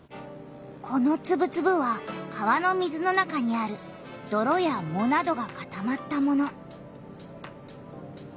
このつぶつぶは川の水の中にあるどろやもなどがかたまったもの。